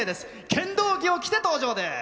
剣道着を着て登場です。